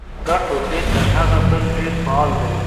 دا ټولګی تر هغه بل ډېر فعال دی.